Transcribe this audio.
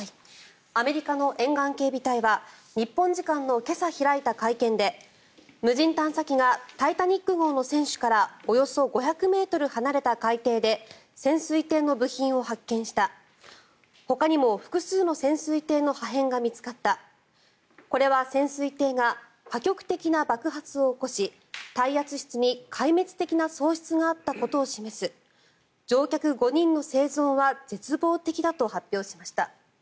アメリカの沿岸警備隊は日本時間の今朝開いた会見で無人探査機が「タイタニック号」の船首からおよそ５００ｍ離れた海底で潜水艇の部品を発見したほかにも複数の潜水艇の破片が見つかったこれは潜水艇が破局的な爆発を起こし耐圧室に壊滅的な喪失があったことを示す乗客５人の生存は絶望的だと発表しました。